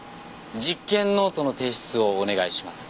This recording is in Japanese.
実験ノートの提出をお願いします。